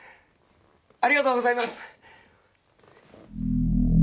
ありがとうございます！